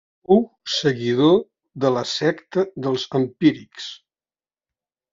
Fou seguidor de la secta dels empírics.